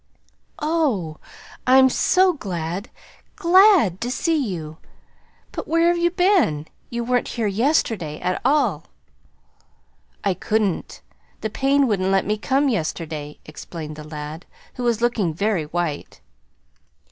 "Oh, I'm so glad, GLAD to see you! But where've you been? You weren't here yesterday at all." "I couldn't. The pain wouldn't let me come yesterday," explained the lad, who was looking very white.